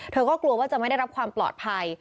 เธอก็กลัวว่าจะไม่ได้รับความปลอดภัย